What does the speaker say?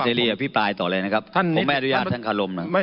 รีอภิปรายต่อเลยนะครับผมไม่อนุญาตท่านคารมหน่อย